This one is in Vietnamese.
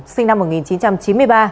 sinh năm một nghìn chín trăm chín mươi ba